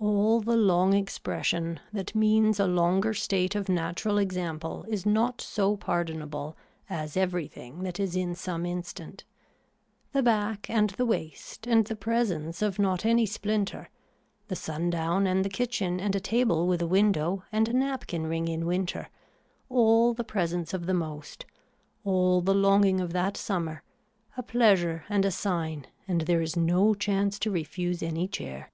All the long expression that means a longer state of natural example is not so pardonable as everything that is in some instant. The back and the waist and the presence of not any splinter, the sundown and the kitchen and a table with a window and a napkin ring in winter, all the presence of the most, all the longing of that summer, a pleasure and a sign and there is no chance to refuse any chair.